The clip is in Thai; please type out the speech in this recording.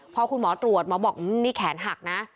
พอคุณหมอตรวจหมอบอกนี่แขนหักนะ